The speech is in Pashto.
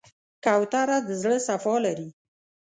کوتره د زړه صفا لري.